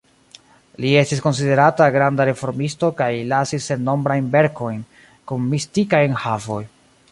Li estis konsiderata granda reformisto kaj lasis sennombrajn verkojn kun mistikaj enhavoj.